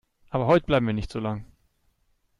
Aber heute bleiben wir nicht so lang.